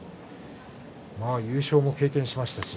優勝も経験しましたし